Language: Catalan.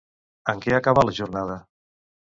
En què acabà la jornada?